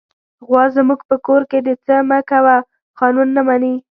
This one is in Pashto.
غوا زموږ په کور کې د "څه مه کوه" قانون نه مني.